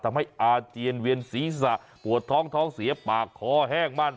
ทำให้อาเจียนเหวียนศีรษะปวดท้องเสียปากคอแห้งมั่น